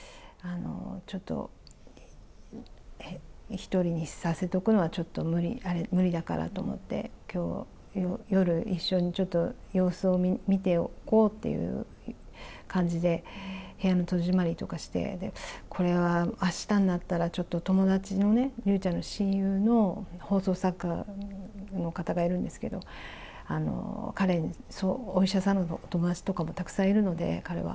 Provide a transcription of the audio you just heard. ちょっと、１人にさせとくのはちょっと無理だからと思って、きょう、夜一緒にちょっと様子を見ておこうという感じで、部屋の戸締まりとかして、これはあしたになったら、ちょっと友達のね、竜ちゃんの親友の放送作家の方がいるんですけど、彼、お医者さんのお友達とかもたくさんいるので、彼は。